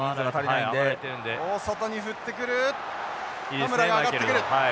田村が上がってくる。